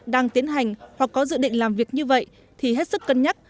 đang tiến hành hoặc có dự định làm việc như vậy thì hết sức cân nhắc